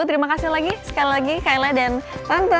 terima kasih sekali lagi kaila dan tante